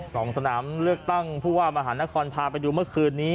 สองสนามเลือกตั้งผู้ว่ามหานครพาไปดูเมื่อคืนนี้